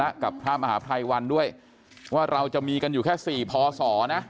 แล้วกับพระมหาไพรวันด้วยว่าเราจะมีกันอยู่แค่๔พศนะ